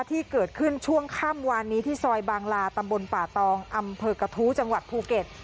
ที่เกิดขึ้นช่วงค่ำวานนี้ที่ซอยบางลาตำบลป่าตองอำเภอกระทู้จังหวัดภูเก็ต